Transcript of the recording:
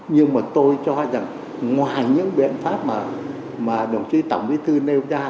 nhưng mà tôi cho rằng ngoài những biện pháp mà đồng chí tổng bí thư nêu ra